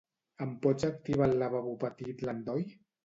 Em pots activar al lavabo petit l'endoll?